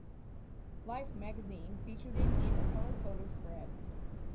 "Life" magazine featured it in a color photo spread.